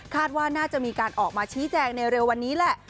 ว่าน่าจะมีการออกมาชี้แจงในเร็ววันนี้แหละ